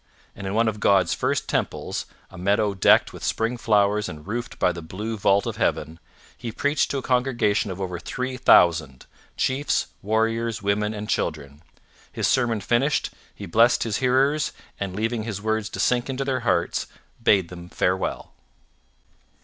And, in one of God's first temples a meadow decked with spring flowers and roofed by the blue vault of heaven he preached to a congregation of over three thousand chiefs, warriors, women, and children. His sermon finished, he blessed his hearers, and, leaving his words to sink into their hearts, bade them farewell.